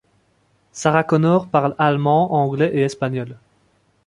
Sarah Connor parle allemand, anglais et espagnol.